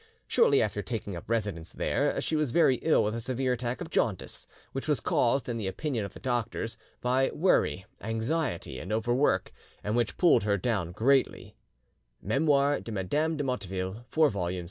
Shortly after taking up residence there she was very ill with a severe attack of jaundice, which was caused, in the opinion of the doctors, by worry, anxiety, and overwork, and which pulled her down greatly" ('Memoire de Madame de Motteville, 4 vols.